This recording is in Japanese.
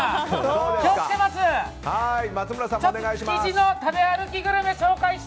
築地の食べ歩きグルメ